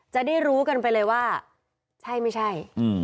จะได้รู้กันไปเลยว่าใช่ไม่ใช่